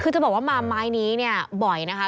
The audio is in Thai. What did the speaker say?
คือจะบอกว่ามาไม้นี้เนี่ยบ่อยนะคะ